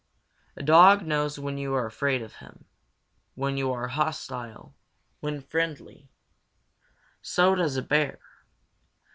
A dog knows when you are afraid of him; when you are hostile; when friendly. So does a bear.